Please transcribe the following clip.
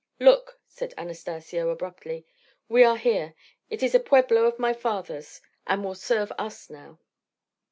"Look," said Anastacio, abruptly. "We are here. It is a pueblo of my fathers, and will serve us now."